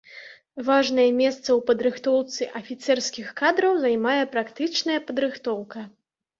Важнае месца ў падрыхтоўцы афіцэрскіх кадраў займае практычная падрыхтоўка.